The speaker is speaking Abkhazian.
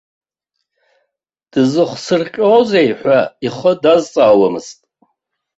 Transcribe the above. Дзыхсырҟьозеи ҳәа ихы дазҵаауамызт.